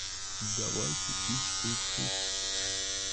Давайте пить уксус.